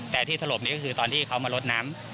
แต่ที่ถลบนี้ก็คือตอนที่เขามาลดน้ำ